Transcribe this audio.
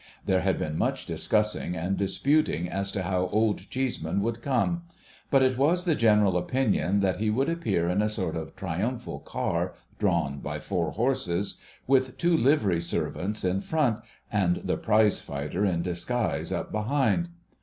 There had been much discussing and disputing as to how Old Cheeseman would come ; but it was the general opinion that he would appear in a sort of triumphal car drawn by four horses, with two livery servants in front, and the Prizefighter in disguise up behind.